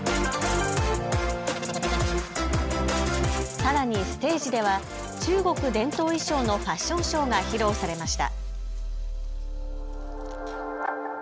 さらにステージでは中国伝統衣装のファッションショーが披露されました。